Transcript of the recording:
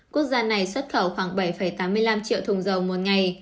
quốc gia này xuất khẩu khoảng bảy tám mươi năm triệu thùng dầu một ngày